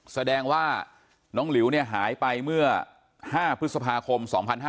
แสดงว่าน้องหลิวเนี่ยหายไปเมื่อ๕พฤษภาคม๒๕๕๙